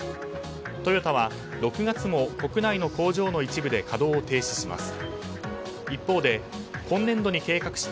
トヨタは６月も国内の工場の一部で稼働を停止します。